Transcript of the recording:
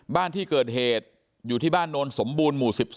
บ้านที่เกิดเหตุอยู่ที่บ้านโนนสมบูรณหมู่๑๒